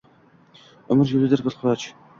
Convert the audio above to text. — Umr yo’ldir bir quloch.